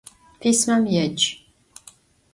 Pismam yêc!